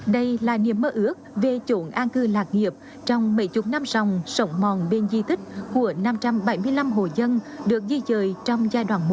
đây là niềm mơ ước về chỗ an cư lạc nghiệp trong mấy chục năm rồng mòn bên di tích của năm trăm bảy mươi năm hồ dân được di dời trong giai đoạn một